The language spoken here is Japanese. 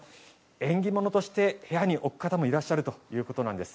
縁起物として部屋に置く方もいらっしゃるということなんです。